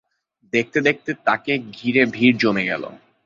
দেখতে দেখতে তাকে ঘিরে ভিড় জমে গেল।